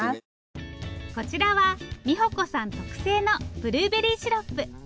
こちらは美保子さん特製のブルーベリーシロップ！